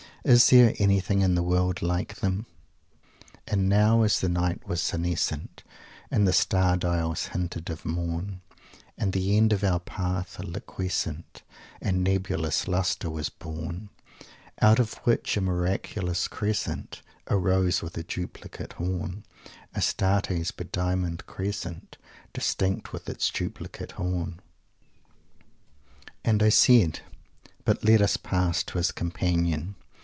is there anything in the world like them? "And now as the night was senescent, And the star dials hinted of morn, At the end of our path a liquescent And nebulous lustre was born, Out of which a miraculous crescent Arose with a duplicate horn Astarte's be diamonded crescent, Distinct with its duplicate horn!" "And I said" but let us pass to his Companion.